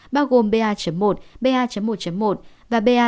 bao gồm ba một ba một một và ba một một năm trăm hai mươi chín